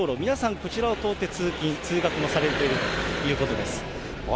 こちらを通って通勤・通学もされているということです。